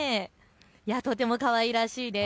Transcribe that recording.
とてもかわいらしいです。